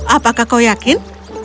apakah kau yakin